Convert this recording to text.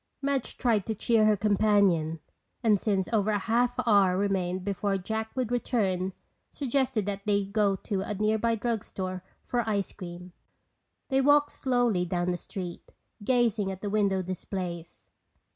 Madge tried to cheer her companion, and since over a half hour remained before Jack would return, suggested that they go to a nearby drug store for ice cream. They walked slowly down the street, gazing at the window displays.